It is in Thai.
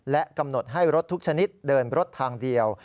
และกำหนดให้รถทุกชนิดเดินรถทางเดียว